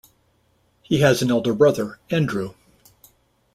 He has an elder brother, Andrew.